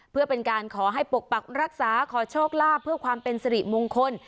เพื่อเป็นการขอให้ปกปักรักษาขอโชคลาภเพื่อความเป็นสิริมงคล